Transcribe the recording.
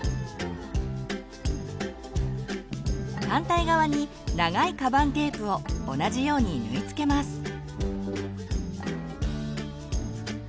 反対側に長いカバンテープを同じように縫いつけます。